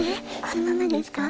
このままですか？